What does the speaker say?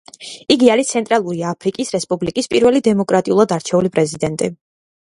იგი არის ცენტრალური აფრიკის რესპუბლიკის პირველი დემოკრატიულად არჩეული პრეზიდენტი.